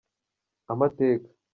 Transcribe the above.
amateka.